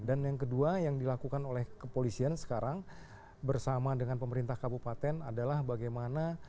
dan yang kedua yang dilakukan oleh kepolisian sekarang bersama dengan pemerintah kabupaten adalah bagaimana